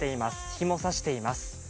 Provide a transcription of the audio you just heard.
日もさしています。